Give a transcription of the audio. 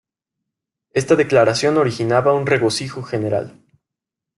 Esta declaración originaba un regocijo general.